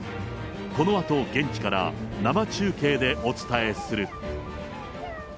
このあと、現地から生中継でお伝えする。